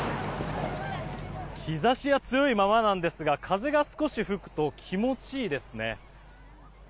日差しは強いままなんですが風が少し吹くと気持ちいいですね。